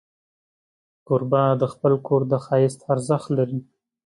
کوربه د خپل کور د ښایست ارزښت لري.